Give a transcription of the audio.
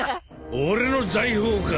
俺の財宝か？